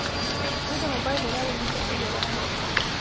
زه د موبایل له لارې موسیقي جوړوم.